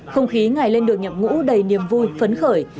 không khí ngày lên đường nhập ngũ đầy niềm vui phấn khởi